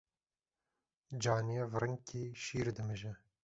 Caniyê viringî şîr dimije.